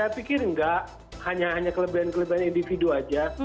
saya pikir enggak hanya hanya kelebihan kelebihan individu saja